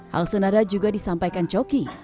hal senada juga disampaikan coki